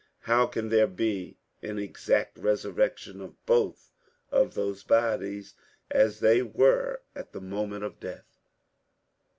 How can there be an exact resurrection of both of those bodies as they were at the moment of death?